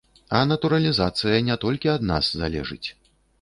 А натуралізацыя не толькі ад нас залежыць.